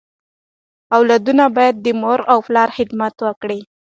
اولادونه بايد د مور او پلار خدمت وکړي.